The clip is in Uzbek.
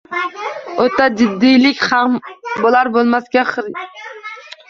O‘ta jiddiylik ham, bo‘lar-bo‘lmasga hingirlab kulaverish ham yaxshi emas.